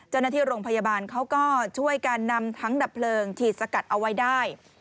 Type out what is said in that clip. เจ้าหน้าที่โรงพยาบาลเขาก็ช่วยกันนำทั้งดับเพลิงฉีดสกัดเอาไว้ได้